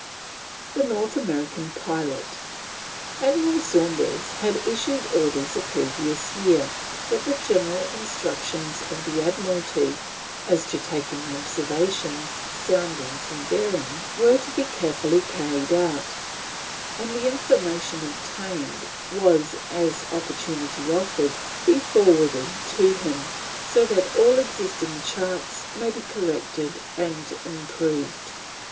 THE NORTH AMERICAN PILOT. Admiral Saunders had issued orders the previous year, that the general instructions of the Admiralty as to taking observations, soundings, and bearings were to be carefully carried out, and the information obtained was, as opportunity offered, to be forwarded to him "so that all existing charts may be corrected and improved."